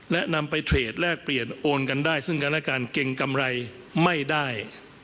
และนำไปเทรดแลกเปลี่ยนโอนกันได้ซึ่งกันและกันเก่งกำไรไม่ได้